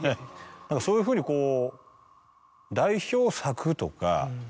何かそういうふうにこう。